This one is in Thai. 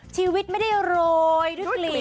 ชีวิตไม่ได้โรยด้วยกลิ่น